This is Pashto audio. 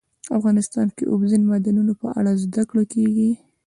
افغانستان کې د اوبزین معدنونه په اړه زده کړه کېږي.